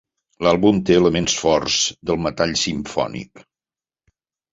L'àlbum té elements forts del metall simfònic.